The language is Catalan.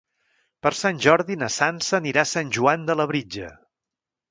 Per Sant Jordi na Sança anirà a Sant Joan de Labritja.